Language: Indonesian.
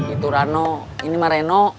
itu rano ini mah reno